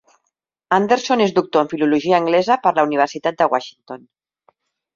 Anderson és doctor en Filologia Anglesa per la universitat de Washington.